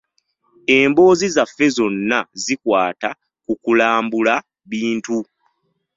Emboozi zaffe zonna zikwata ku kulamula bintu.